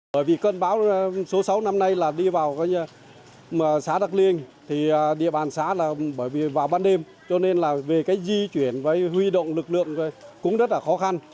bởi vì cơn bão số sáu năm nay đi vào xã đắk liên địa bàn xã vào ban đêm cho nên về di chuyển huy động lực lượng cũng rất khó khăn